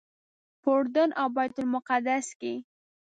په اردن او بیت المقدس کې.